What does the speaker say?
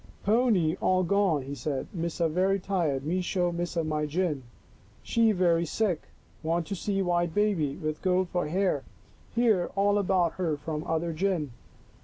" Pony all gone," he said. " Missa very tired, me show Missa my gin. She very sick, want to see white baby, with gold for hair. Hear all about her from other gin.